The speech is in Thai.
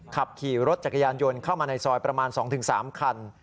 ขับขี่รถจักรยานยนต์เข้ามาในซอยประมาณ๒๓คัน